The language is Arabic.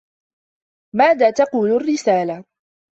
ماذا تقول الرّسالة؟